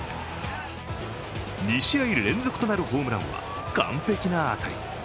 ２試合連続となるホームランは完璧な当たり。